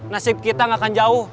nasib kita gak akan jauh